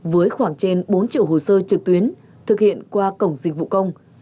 với khoảng trên bốn triệu hồ sơ trực tuyến thực hiện qua cổng dịch vụ công